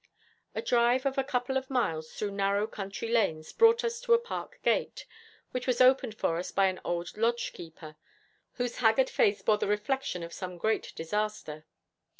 A drive of a couple of miles through narrow country lanes brought us to a park gate, which was opened for us by an old lodge keeper, whose haggard face bore the reflection of some great disaster.